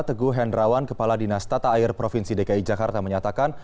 teguh hendrawan kepala dinas tata air provinsi dki jakarta menyatakan